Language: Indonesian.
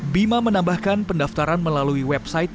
bima menambahkan pendaftaran melalui website